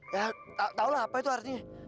ya tau lah apa itu artinya